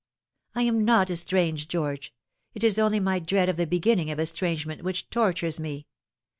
" I am not estranged, George. It is only my dread of the beginning of estrangement which tortures me.